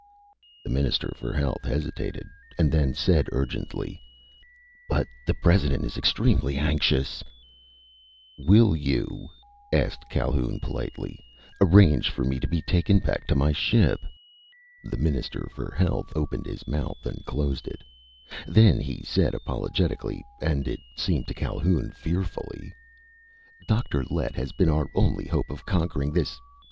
The Minister for Health hesitated, and then said urgently: "But the President is extremely anxious " "Will you," asked Calhoun politely, "arrange for me to be taken back to my ship?" The Minister for Health opened his mouth and closed it. Then he said apologetically and it seemed to Calhoun fearfully: "Dr. Lett has been our only hope of conquering this